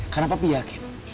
karena papi yakin